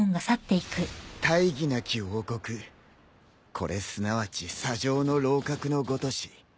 大義なき王国これすなわち砂上の楼閣のごとし。